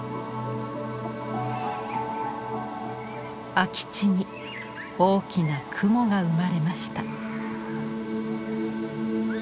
空き地に大きな雲が生まれました。